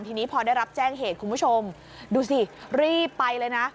ทีนี้พอได้รับแจ้งเหตุคุณผู้ชมดูสิรีบไปเลยนะ